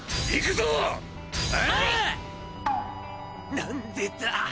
何でだ！